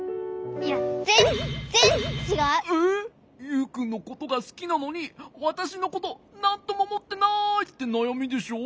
「ユウくんのことがすきなのにわたしのことなんともおもってない」ってなやみでしょ？